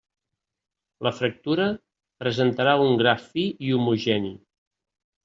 La fractura presentarà un gra fi i homogeni.